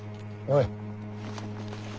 おい。